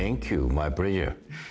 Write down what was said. マイプレジャー。